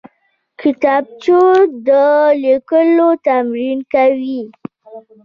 کتابچه د لیکلو تمرین کوي